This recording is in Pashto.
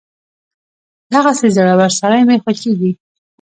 دغسې زړور سړی مې خوښېږي.